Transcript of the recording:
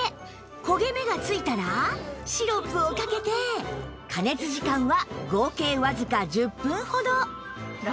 焦げ目がついたらシロップをかけて加熱時間は合計わずか１０分ほど